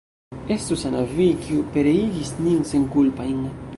Estu sana vi, kiu pereigis nin senkulpajn!